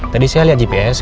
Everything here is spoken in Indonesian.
tadi saya liat gps